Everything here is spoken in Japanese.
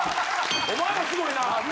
「お前もすごいなぁ」って。